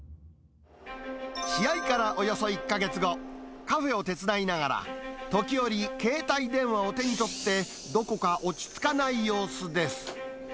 試合からおよそ１か月後、カフェを手伝いながら、時折、携帯電話を手に取ってどこか落ち着かない様子です。